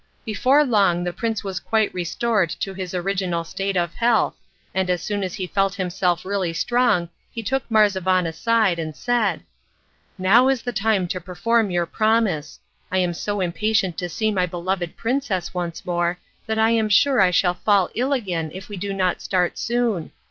Before long the prince was quite restored to his original state of health, and as soon as he felt himself really strong he took Marzavan aside and said: "Now is the time to perform your promise. I am so impatient to see my beloved princess once more that I am sure I shall fall ill again if we do not start soon.